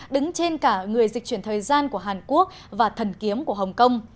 đứng trên cả người dịch chuyển thời gian của hàn quốc và thần kiếm của hồng kông